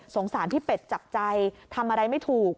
สารพี่เป็ดจับใจทำอะไรไม่ถูก